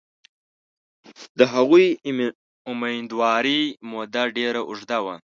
د هغوی امیندوارۍ موده ډېره اوږده وه.